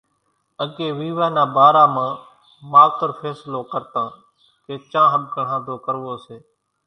اڳيَ ويوا نا ٻارا مان ماوتر ڦينصلو ڪرتان ڪي چان ۿٻڪڻ ۿانڌو ڪروو سي۔